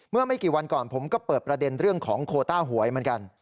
เมื่อไม่กี่วันก่อนผมก็เปิดประเด็นเรื่องของโคต้าหวยเหมือนกัน